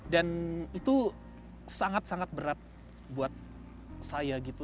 dan itu sangat sangat berat buat saya gitu